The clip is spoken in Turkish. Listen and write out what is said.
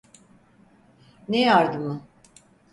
Ne yardımı?